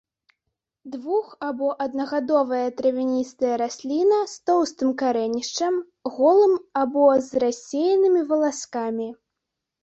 Двух- або аднагадовая травяністая расліна з тоўстым карэнішчам, голым або з рассеянымі валаскамі.